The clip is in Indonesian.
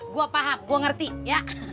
gua paham gua ngerti ya